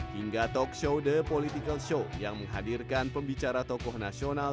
hingga talk show the political show yang menghadirkan pembicara tokoh nasional